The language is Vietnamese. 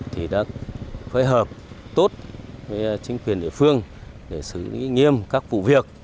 thì đã phối hợp tốt với chính quyền địa phương để xử lý nghiêm các vụ việc